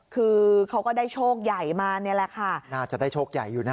คือเขาก็ได้โชคใหญ่มานี่แหละค่ะน่าจะได้โชคใหญ่อยู่นะ